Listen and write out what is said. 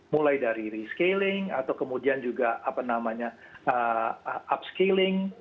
mulai dari rescaling atau kemudian juga upscaling